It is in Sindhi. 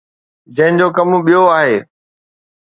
جنهن جو ڪم ٻيو آهي.